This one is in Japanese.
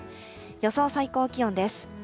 予想最高気温です。